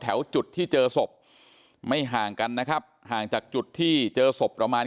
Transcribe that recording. จุดที่เจอศพไม่ห่างกันนะครับห่างจากจุดที่เจอศพประมาณ